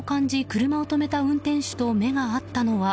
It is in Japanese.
車を止めた運転手と目が合ったのは。